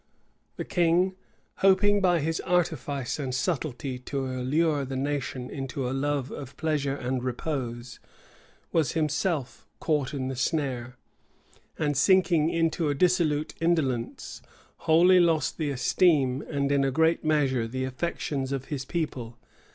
{1578.} The king, hoping by his artifice and subtlety to allure the nation into a love of pleasure and repose, was himself caught in the snare; and sinking into a dissolute indolence, wholly lost the esteem, and, in a great measure, the affections, of his people.